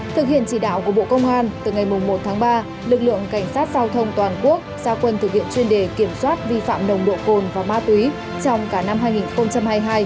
thực hiện chỉ đạo của bộ công an từ ngày một tháng ba lực lượng cảnh sát giao thông toàn quốc gia quân thực hiện chuyên đề kiểm soát vi phạm nồng độ cồn và ma túy trong cả năm hai nghìn hai mươi hai